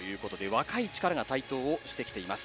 若い力が台頭をしてきています。